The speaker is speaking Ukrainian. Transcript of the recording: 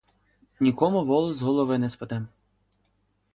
Нікому волос з голови не спаде.